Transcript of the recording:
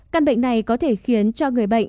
căn bệnh này có thể khiến cho người bệnh